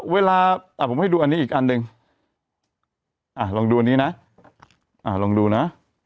เวลาผมให้ดูอันนี้อีกอันหนึ่งลองดูอันนี้นะลองดูนะ